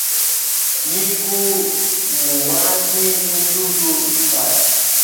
Nyigu muuaji ni mdudu mbaya